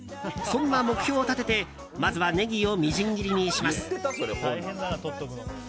そんな目標を立ててまずはネギをみじん切りにします。